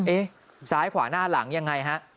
เอ๊ะซ้ายขวาหน้าหลังยังไงฮะ